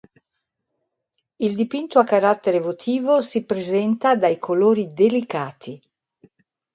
Il dipinto a carattere votivo si presenta dai colori delicati.